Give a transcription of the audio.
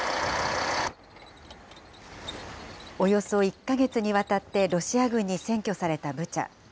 およそ１か月にわたってロシア軍に占拠されたブチャ。